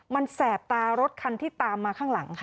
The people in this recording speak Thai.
มันแสบตารถคันที่ตามมาข้างหลังค่ะ